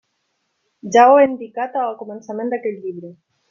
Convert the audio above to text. Ja ho he indicat al començament d'aquest llibre.